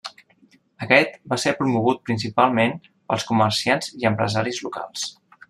Aquest va ser promogut principalment pels comerciants i empresaris locals.